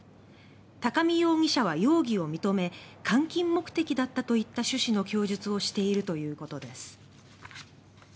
高見容疑者は容疑を認め換金目的だったといった趣旨の供述をしているということです。